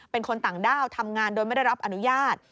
เป็นคนต่างด้าวทำงานโดยไม่ได้รับอนุญาต